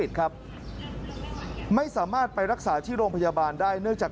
ฉันไม่ได้ได้อยู่ช้า